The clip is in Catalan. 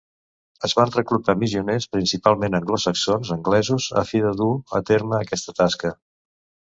Es van reclutar missioners, principalment anglosaxons anglesos a fi de dur a terme aquesta tasca.